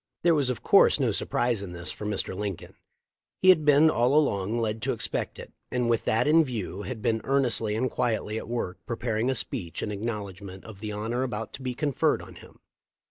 There was of course no surprise in this THE LIFE OF LINCOLN. 397 for Mr. Lincoln. lie had been all along led to expect it, and with that in view had been earnestly and quietly at work preparing a speech in acknowl edgment of the honor about to be conferred on him.